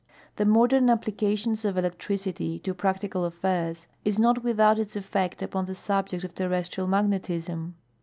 The modern ai>plications of electricity to practical affairs is not without its effect uj)on the subject of terrestrial magnetism.